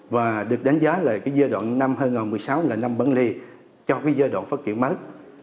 và được đánh giá là cái giai đoạn năm hai nghìn một mươi sáu là năm bẩn ly cho cái giai đoạn phát triển mới